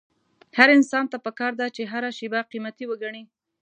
هر انسان ته پکار ده چې هره شېبه قيمتي وګڼي.